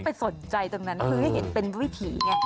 ไปสนใจตรงนั้นคือให้เห็นเป็นวิถีไง